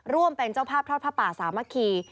ร่วมเป็นเจ้าภาพทอดผ้าป่าสามัคคี